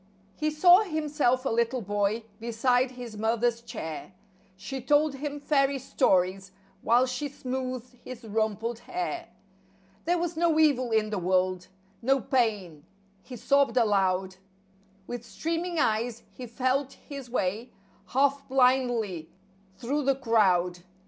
jp & x &% He saw himself a little boy, beside his mother's chair; She told him "fairy stories" while she smoothed his rumpled hair; There was no evil in the world—no pain —he sobbed aloud; With streaming eyes, he felt his way, half blindly, through the crowd.